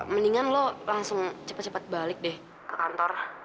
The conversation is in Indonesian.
mendingan lo langsung cepet cepet balik deh ke kantor